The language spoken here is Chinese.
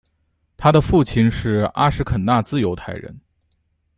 他的父亲是阿什肯纳兹犹太人。